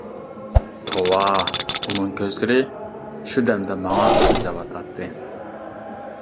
توۋا، ئۇنىڭ كۆزلىرى شۇ دەمدە ماڭا سۆزلەۋاتاتتى.